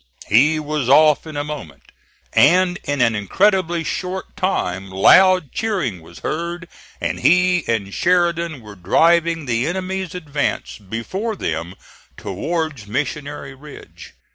He was off in a moment, and in an incredibly short time loud cheering was heard, and he and Sheridan were driving the enemy's advance before them towards Missionary Ridge.